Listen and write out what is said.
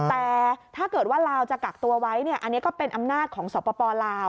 แต่ถ้าเกิดว่าลาวจะกักตัวไว้อันนี้ก็เป็นอำนาจของสปลาว